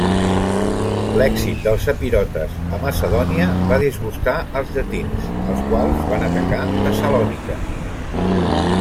L'èxit dels epirotes a Macedònia va disgustar els llatins, els quals van atacar Tessalònica.